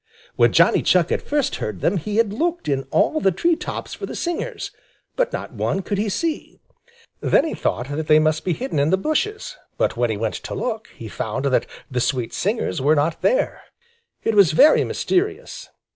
When Johnny Chuck had first heard them, he had looked in all the tree tops for the singers, but not one could he see. Then he had thought that they must be hidden in the bushes; but when he went to look, he found that the sweet singers were not there. It was very mysterious.